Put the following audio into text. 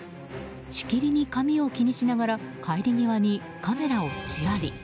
しきりに髪を気にしながら帰り際にカメラをチラリ。